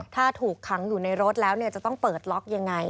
ถ้าถูกขังอยู่ในรถแล้วจะต้องเปิดล็อกยังไง